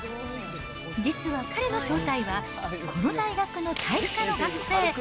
実は彼の正体は、この大学の体育科の学生。